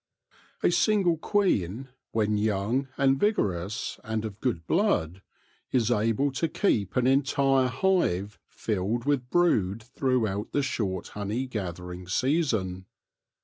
A single queen, when young and vigorous and of good blood, is able to keep an entire hive filled with brood throughout the short honey gathering season.